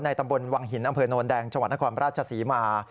ในตำบลวังหินอำเภอโนนแดงจนครราชสีมา